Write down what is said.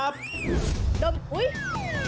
ข้อส่องคืออะไรคะ